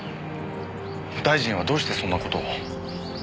大臣はどうしてそんな事を？